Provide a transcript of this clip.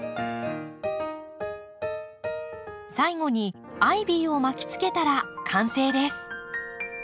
最後にアイビーを巻きつけたら完成です。